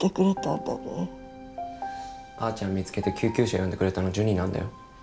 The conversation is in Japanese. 見つけて救急車呼んでくれたのジュニなんだよ。